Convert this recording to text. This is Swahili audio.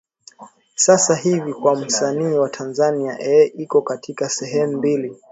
sasa hivi kwa msanii wa tanzania ee iko katikati sehemu mbili